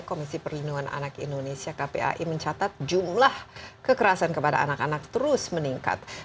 komisi perlindungan anak indonesia kpai mencatat jumlah kekerasan kepada anak anak terus meningkat